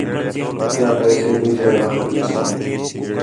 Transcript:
ٻِیا پیسے بھی جئے وخت ݙیسوں